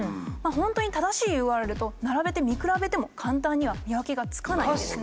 本当に正しいＵＲＬと並べて見比べても簡単には見分けがつかないんです。